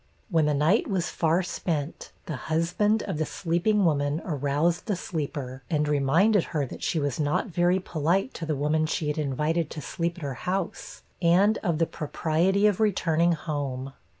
When the night was far spent, the husband of the sleeping woman aroused the sleeper, and reminded her that she was not very polite to the woman she had invited to sleep at her house, and of the propriety of returning home.